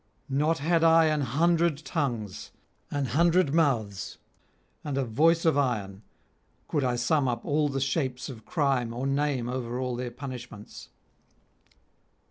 Not had I an hundred tongues, an hundred mouths, and a voice of iron, could I sum up all the shapes of crime or name over all their punishments.'